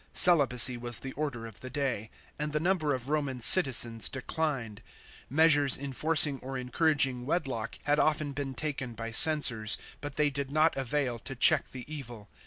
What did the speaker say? Celibacy was the order of the day, and the number of Roman citizens declined. Measures enforcing or encouraging wedlock had often been taken by censors, but they did not avail to check the evil.